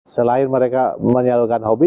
selain mereka menyalurkan hobi